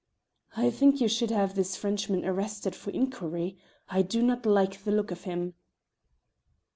"I think you should have this Frenchman arrested for inquiry: I do not like the look of him."